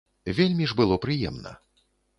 Вельмі ж было прыемна.